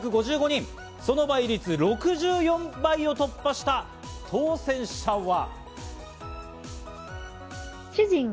その倍率、６４倍を突破した当選者は。